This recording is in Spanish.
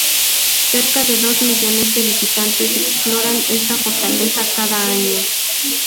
Cerca de dos millones de visitantes exploran esta fortaleza cada año.